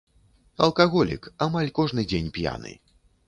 Алкаголік, амаль кожны дзень п'яны.